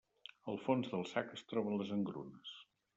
Al fons del sac es troben les engrunes.